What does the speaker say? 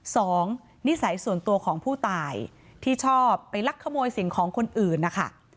นิสัยส่วนตัวของผู้ตายที่ชอบไปลักขโมยสิ่งของคนอื่นนะคะ